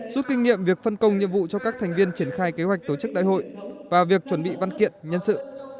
suốt kinh nghiệm việc phân công nhiệm vụ cho các thành viên triển khai kế hoạch tổ chức đại hội và việc chuẩn bị văn kiện nhân sự